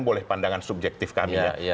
boleh pandangan subjektif kami ya